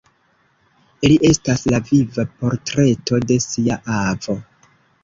Li estas la viva portreto de sia avo!